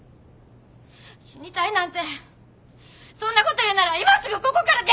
死にたいなんてそんなこと言うなら今すぐここから出ていって！